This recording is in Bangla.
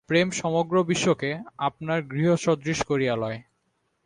প্রেম সমগ্র বিশ্বকে আপনার গৃহসদৃশ করিয়া লয়।